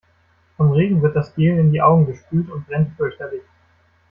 Vom Regen wird das Gel in die Augen gespült und brennt fürchterlich.